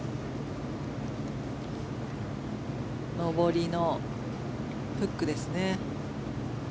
上りのフックですね。